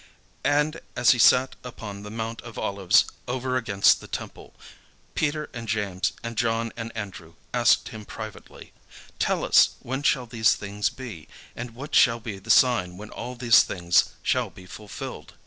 And as he sat upon the mount of Olives over against the temple, Peter and James and John and Andrew asked him privately, "Tell us, when shall these things be, and what shall be the sign when all these things shall be fulfilled?"